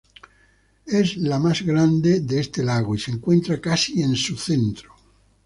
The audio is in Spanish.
Es la más grande de este lago y se encuentra casi en su centro.